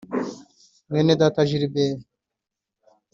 Mwenedata Gilbert